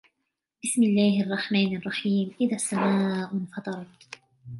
بِسْمِ اللَّهِ الرَّحْمَنِ الرَّحِيمِ إِذَا السَّمَاءُ انْفَطَرَتْ